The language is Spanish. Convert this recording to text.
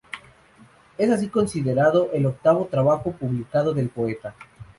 Es así considerado el octavo trabajo publicado del poeta.